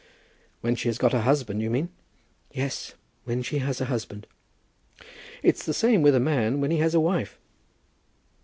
"When she has got a husband, you mean?" "Yes, when she has a husband." "It's the same with a man when he has a wife."